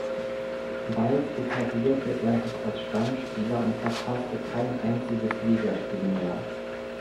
Bald etablierte er sich als Stammspieler und verpasste kein einziges Ligaspiel mehr.